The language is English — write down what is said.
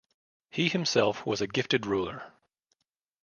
He himself was a gifted ruler.